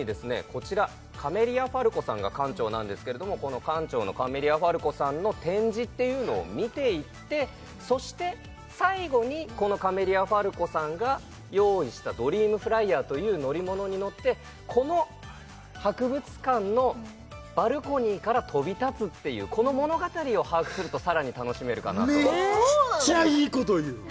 こちらカメリア・ファルコさんが館長なんですけれどもこの館長のカメリア・ファルコさんの展示っていうのを見ていってそして最後にこのカメリア・ファルコさんが用意したドリームフライヤーという乗り物に乗ってこの博物館のバルコニーから飛び立つっていうこの物語を把握するとさらに楽しめるかなとそうなんですかめっちゃいいこと言う！